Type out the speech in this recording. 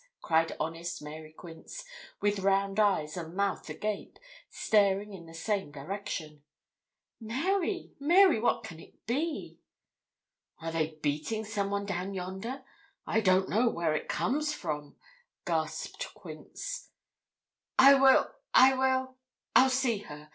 cried honest Mary Quince, with round eyes and mouth agape, staring in the same direction. 'Mary Mary, what can it be?' 'Are they beating some one down yonder? I don't know where it comes from,' gasped Quince. 'I will I will I'll see her.